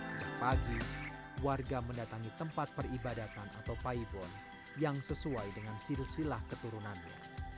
sejak pagi warga mendatangi tempat peribadatan atau paibon yang sesuai dengan silsilah keturunannya